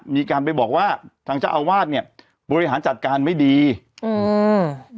มีการไปบอกว่าทางเจ้าอาวาสเนี้ยบริหารจัดการไม่ดีอืม